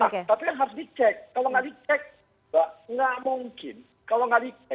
tapi harus dicek kalau tidak dicek enggak mungkin